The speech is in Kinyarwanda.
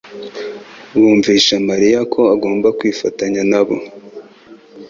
bumvisha Mariya ko agomba kwifatanya nabo: